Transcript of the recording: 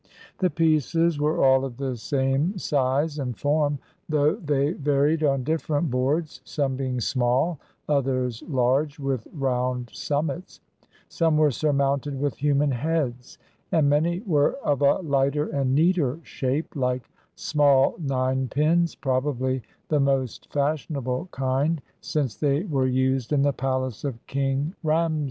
The pieces were all of the same size and form, though they varied on different boards, some being small, others large with roimd summits: some were surmounted with human heads; and many were of a lighter and neater shape, like small ninepins, probably the most fashionable kind, since they were used in the palace of King Rameses.